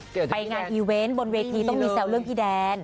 ไปงานอีเวนต์บนเวทีต้องมีแซวเรื่องพี่แดน